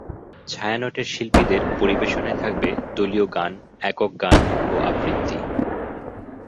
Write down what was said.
ছায়ানটের শিল্পীদের পরিবেশনায় থাকবে দলীয় গান, একক গান ও আবৃত্তি।